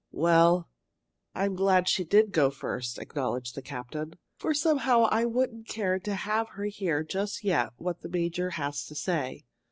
"Well, I'm glad she did go first," acknowledged the captain, "for somehow I wouldn't care to have her hear just yet what the major has to say.